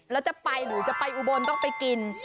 แล้วจะไปหรือจะไปอุบลต้องไปกิน